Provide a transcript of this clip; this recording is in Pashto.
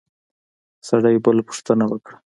سړي بله پوښتنه وکړه.